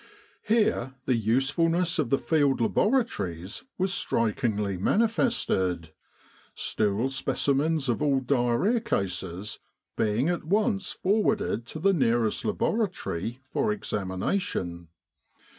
Here the usefulness of the Field Laboratories was strikingly manifested, stool specimens of all diarrhoea cases being at once for warded to the nearest laboratory for examination.